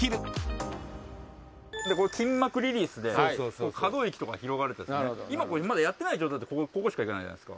これ筋膜リリースで可動域とかが広がるってやつで今これまだやってない状態だとここしかいかないじゃないですか。